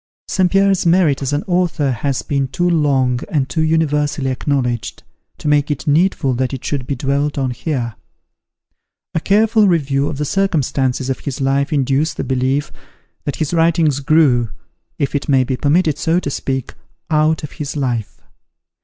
St. Pierre's merit as an author has been too long and too universally acknowledged, to make it needful that it should be dwelt on here. A careful review of the circumstances of his life induces the belief, that his writings grew (if it may be permitted so to speak) out of his life.